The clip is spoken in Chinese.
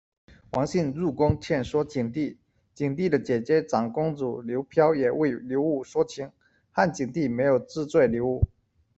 王信入宫劝说景帝，景帝的姐姐长公主刘嫖也为刘武说情，汉景帝没有治罪刘武。